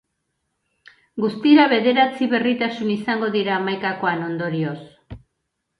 Guztira bederatzi berritasun izango dira hamaikakoan, ondorioz.